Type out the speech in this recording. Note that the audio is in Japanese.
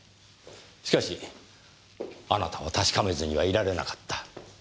しかしあなたは確かめずにはいられなかった。